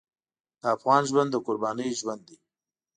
د افغان ژوند د قربانۍ ژوند دی.